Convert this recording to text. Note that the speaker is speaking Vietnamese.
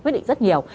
quyết định rất nhiều